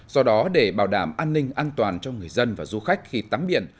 do đó để bảo đảm an ninh an toàn cho người dân và du khách khi tắm biển